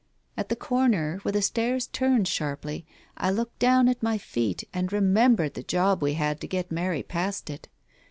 At the corner where the stairs turned sharply, I looked down at my feet and remembered the job we had to get Mary past it